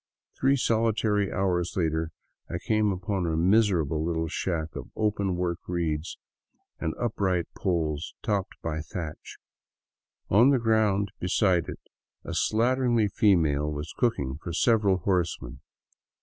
Three solitary hours later I came upon a miserable little shack of open work reeds and upright poles topped by thatch. On the ground beside it a slatternly female was cooking for several horsemen.